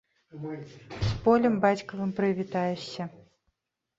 З полем бацькавым прывітаешся!